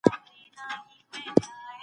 هغه به د مېړه د شتمنۍ په څېر ګڼل کېدله.